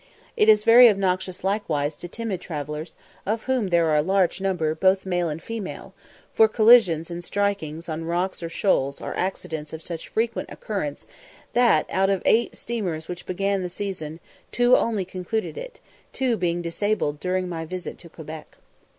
It is very obnoxious likewise to timid travellers, of whom there are a large number both male and female: for collisions and striking on rocks or shoals are accidents of such frequent occurrence, that, out of eight steamers which began the season, two only concluded it, two being disabled during my visit to Quebec.